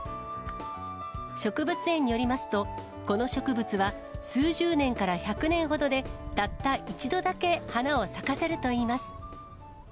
植物園によりますと、この植物は数十年から１００年ほどで、たった一度だけ花を咲かせるといいます。